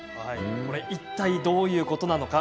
いったいどういうことなのか。